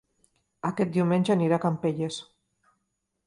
Aquest diumenge aniré a Campelles